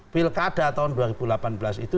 pilkada tahun dua ribu delapan belas itu